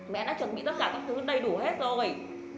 mẹ em đã chuẩn bị tất cả các thứ đầy đủ hết rồi